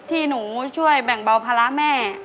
ที่หนูช่วยแบ่งเบาภาระแม่